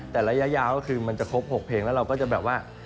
แต่ระยะยาวก็คือมันจะครบ๖เพลงแล้วเราก็จะแบบว่า